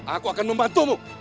aku akan membantumu